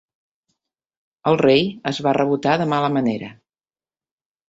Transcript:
El Rei es va rebotar de mala manera.